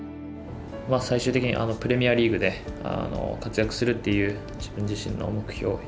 最終的にプレミアリーグで活躍するっていう自分自身の目標